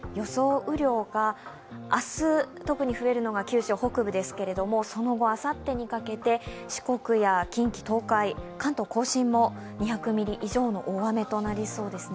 雨量が明日、特に増えるのが九州北部ですが、その後、あさってにかけて四国や近畿、東海、関東甲信も２００ミリ以上の大雨となりそうですね。